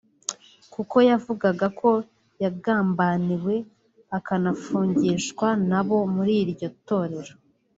kuko yavugaga ko yagambaniwe akanafungishwa n’abo muri iryo torero